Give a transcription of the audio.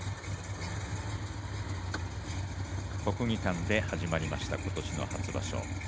国技館で始まりました今年の初場所。